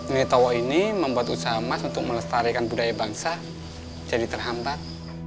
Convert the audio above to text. ngeri tawa ini membuat usaha mas untuk melestarikan budaya bangsa jadi terhantat